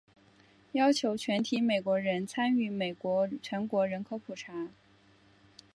要求全体美国人参与美国全国人口普查。